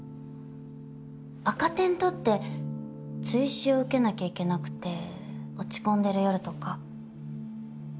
赤点取って追試を受けなきゃいけなくて落ち込んでる夜とか。